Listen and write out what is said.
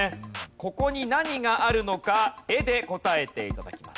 ここに何があるのか絵で答えて頂きます。